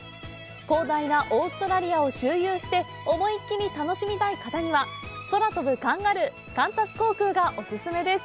広大なオーストラリアを周遊して思いきり楽しみたい方には「空飛ぶカンガルー」カンタス航空がお勧めです。